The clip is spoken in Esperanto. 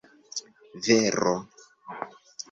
vero